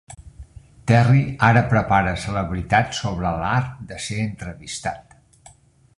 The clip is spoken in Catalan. Terry ara prepara a celebritats sobre l'art de ser entrevistat.